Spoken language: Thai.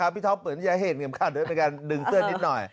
พี่ท้อมเปลี่ยนให้เห็นเข็มขาดด้วยดึงเสื้อนิดหน่อย